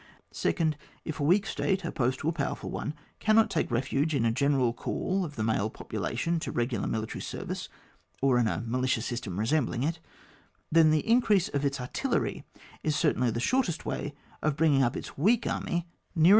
Second, if a weak state opposed to a powerful one cannot take ref^e in a general call of the male population to regular military service, or in a militia system resembling it, then the increase of its artillery is certainly ihe shortest way of bringing up its weak army nearer CHAPi lY.